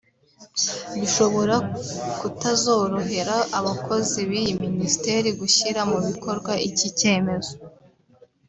bishobora kutazorohera abakozi b’iyi Minisiteri gushyira mu bikorwa iki cyemezo